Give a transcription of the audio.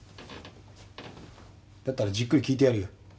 だったらじっくり聞いてやるよ。